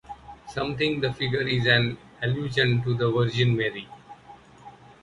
Some think the figure is an allusion to the Virgin Mary.